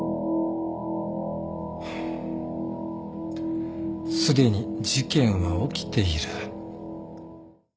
すでに事件は起きている。